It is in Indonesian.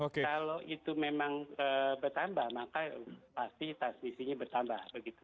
kalau itu memang bertambah maka pasti transmisinya bertambah begitu